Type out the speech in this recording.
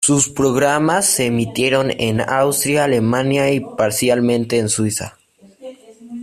Sus programas se emitieron en Austria, Alemania y parcialmente en Suiza.